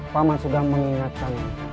pak mas sudah mengingatkan